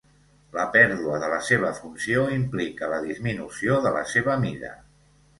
La pèrdua de la seva funció implica la disminució de la seva mida.